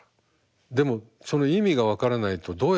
でもその意味が分からないとどうやって。